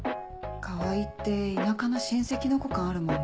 川合って田舎の親戚の子感あるもんね。